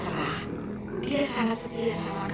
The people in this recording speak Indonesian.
hanya mencari salah